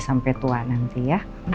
sampai tua nanti ya